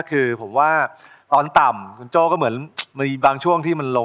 ถือถือคงมัน